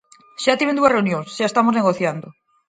Xa tiven dúas reunións, xa estamos negociando.